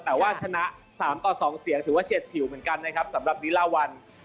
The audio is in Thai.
แต่ว่าชนะ๓ต่อ๒เสียงถือว่าเฉียดฉิวเหมือนกันนะครับสำหรับลิลาวัน